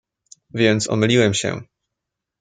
"więc omyliłem się!"